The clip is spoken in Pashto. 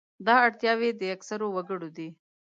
دا اړتیاوې د اکثرو وګړو دي.